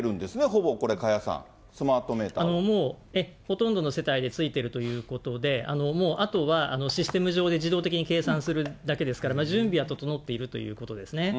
ほぼ、これ、加谷さん、スマートもうほとんどの世帯でついてるということで、もうあとは、システム上で自動的に計算するだけですから、準備は整っているということですね。